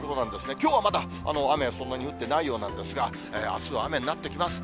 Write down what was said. きょうはまだ雨はそんなに降ってないようなんですが、あすは雨になってきます。